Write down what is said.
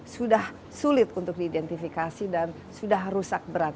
sudah sulit untuk diidentifikasi dan sudah rusak berat